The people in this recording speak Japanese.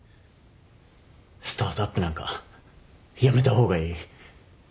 スタートアップなんかやめた方がいい。